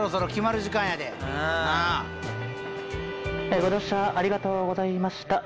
えご乗車ありがとうございました。